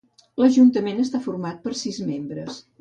L'ajuntament està format per sis membres.